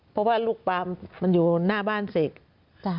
เพราะว่าลูกปลามมันอยู่หน้าบ้านเสก